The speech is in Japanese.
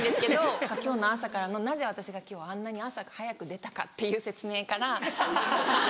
今日の朝からのなぜ私が今日はあんなに朝早く出たかっていう説明から入る。